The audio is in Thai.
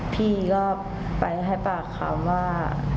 พี่ก็ไปให้ปากคำว่า